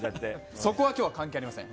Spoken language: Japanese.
そこは今日は関係ありません。